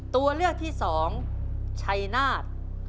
ตัวเลือกที่๒ชัยนาธ